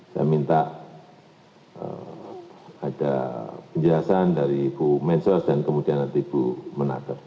saya minta ada penjelasan dari bu mensos dan kemudian nanti bu menaker